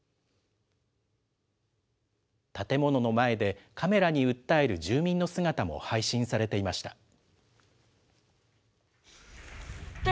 建物の前でカメラに訴える住民の姿も配信されていました。